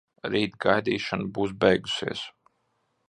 Rīt gaidīšana būs beigusies.